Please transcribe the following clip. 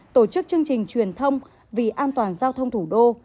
tổ chức chương trình truyền thông vì an toàn giao thông thủ đô